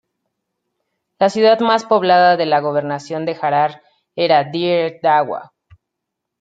La ciudad más poblada de la Gobernación de Harar era Dire Dawa.